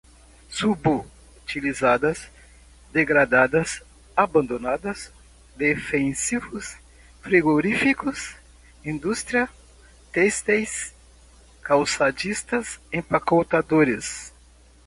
subutilizadas, degradadas, abandonadas, defensivos, frigoríficos, indústrias têxteis, calçadistas, empacotadores